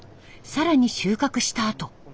更に収穫したあと。